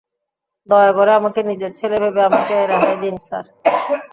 দয়া করে, আমাকে নিজের ছেলে ভেবে আমাকে রেহাই দিন, স্যার।